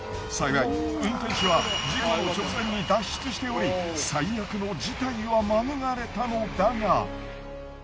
幸い運転手は事故の直前に脱出しており最悪の事態は免れたのだが。